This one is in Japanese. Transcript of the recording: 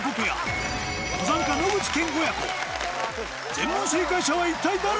全問正解者は一体誰だ